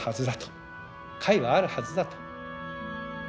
解はあるはずだと。